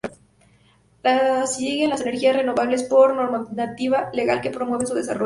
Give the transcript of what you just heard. Le siguen las energías renovables por normativa legal que promueve su desarrollo.